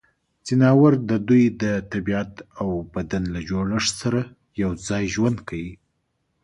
ځناور د دوی د طبعیت او بدن له جوړښت سره یوځای ژوند کوي.